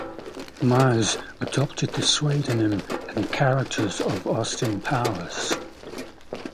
Myers adopted the pseudonym and character of Austin Powers.